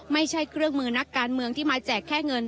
ไม่ใช่เครื่องมือนักการเมืองที่มาแจกแค่เงิน